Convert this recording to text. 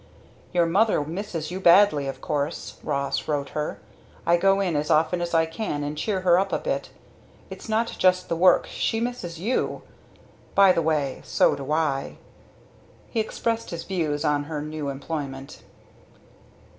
"Your mother misses you badly, of course," Ross wrote her. "I go in as often as I can and cheer her up a bit. It's not just the work she misses you. By the way so do I." He expressed his views on her new employment.